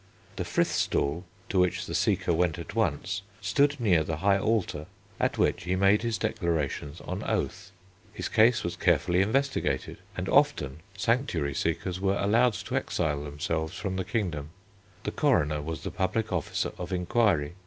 The frith stool, to which the seeker went at once, stood near the high altar at which he made his declarations on oath. His case was carefully investigated and often sanctuary seekers were allowed to exile themselves from the kingdom. The coroner was the public officer of inquiry.